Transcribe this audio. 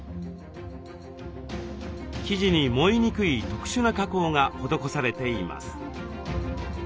生地に燃えにくい特殊な加工が施されています。